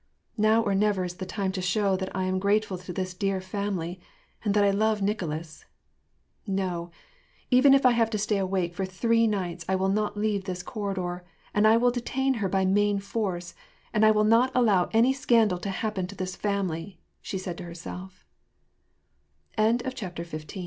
" Now or never is the time to show that I am grateful to this dear family, and that I love Nicolas. No ! even if I have to stay awake for three nights, I will not leave this corridor, and I will detain her by main force ; and I will not allow any scandal to happen to th& family/'